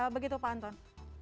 begitu pak anton